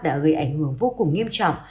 đã gây ảnh hưởng vô cùng nghiêm trọng